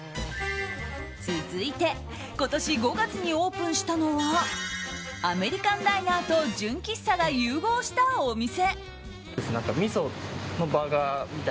続いて今年５月にオープンしたのはアメリカンダイナーと純喫茶が融合したお店。